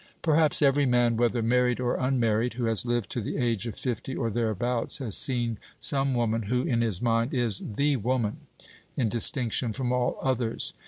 Perhaps every man, whether married or unmarried, who has lived to the age of fifty or thereabouts, has seen some woman who, in his mind, is the woman, in distinction from all others.